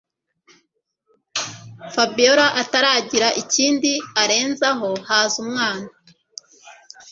Fabiora ataragira ikindi arenzaho haza umwana